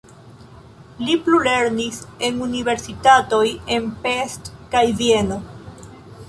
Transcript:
Li plulernis en universitatoj en Pest kaj Vieno.